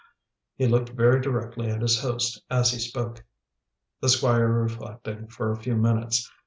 He looked very directly at his host as he spoke. The Squire reflected for a few minutes.